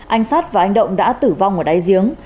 anh sát và anh động đã tử vong ở đáy giếng